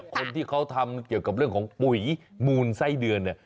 คนที่เขาทำเกี่ยวกับเรื่องของปุ๋ยมูลไส้เดือนเนี่ย